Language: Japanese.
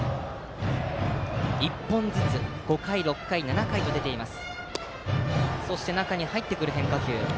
１本ずつ５回、６回、７回と出ています。